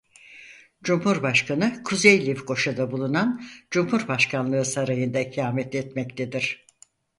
Cumhurbaşkanı Kuzey Lefkoşa'da bulunan Cumhurbaşkanlığı Sarayı'nda ikamet etmektedir.